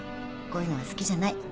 こういうのは好きじゃない。